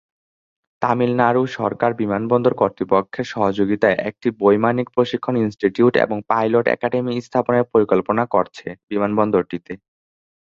তামিলনাড়ু সরকার বিমানবন্দর কর্তৃপক্ষের সহযোগিতায় একটি বৈমানিক প্রশিক্ষণ ইনস্টিটিউট এবং পাইলট একাডেমী স্থাপনের পরিকল্পনা করছে বিমানবন্দরটিতে।